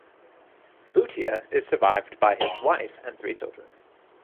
Bhutia is survived by his wife and three children.